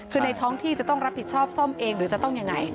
คือในท้องที่จะต้องรับผิดชอบซ่อมเองหรือจะต้องยังไง